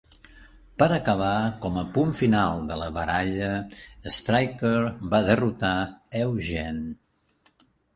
Per acabar, com a punt final de la baralla, Striker va derrotar Eugene.